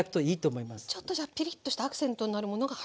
ちょっとじゃあピリッとしたアクセントになるものが入ると。